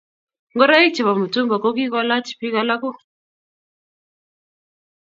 Ngoroik chebo mitumba kogigolach bik alagu